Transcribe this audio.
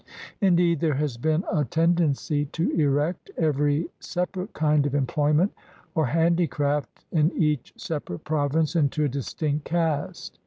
Indeed, there has been a tend ency to erect every separate kind of employment or handicraft in each separate province into a distinct caste.